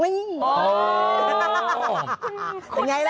อย่างไรล่ะ